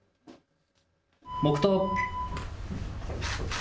黙とう。